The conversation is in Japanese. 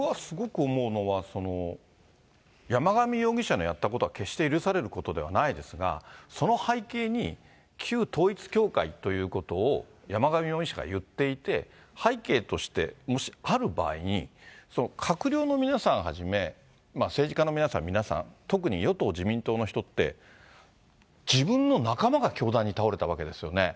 僕はすごく思うのは、山上容疑者のやったことは決して許されることではないですが、その背景に旧統一教会ということを、山上容疑者が言っていて、背景としてもしある場合に、閣僚の皆さんはじめ、政治家の皆さん、皆さん、特に与党・自民党の人って、自分の仲間が凶弾に倒れたわけですよね。